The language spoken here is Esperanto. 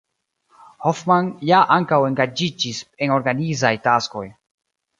Hofmann ja ankaŭ engaĝiĝis en organizaj taskoj.